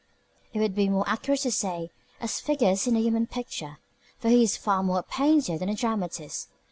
It would be more accurate to say "as figures in the human picture," for he is far more of a painter than a dramatist.